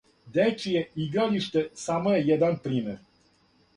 Дечје игралиште само је један пример.